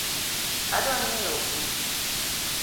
Adwa ng’iewo buk